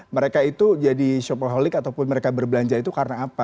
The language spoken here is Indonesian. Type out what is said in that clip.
mereka itu jadi shopper holik ataupun mereka berbelanja itu karena apa